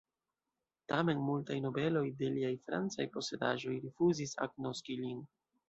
Tamen multaj nobeloj de liaj francaj posedaĵoj rifuzis agnoski lin.